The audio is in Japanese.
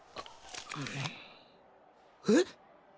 えっ！？